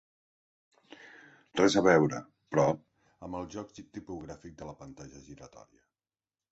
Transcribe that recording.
Res a veure, però, amb el joc tipogràfic de la pantalla giratòria.